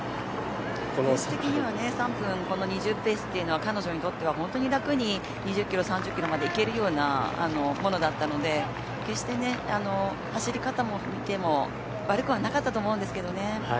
ペース的には３分２０ペースというのは彼女にとってはほんとに楽に２０キロ、３０キロまでいけるようなものだったので決して走り方を見ても悪くはなかったと思うんですけどね。